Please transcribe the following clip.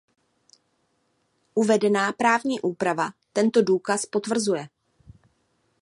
Uvedená právní úprava tento důraz potvrzuje.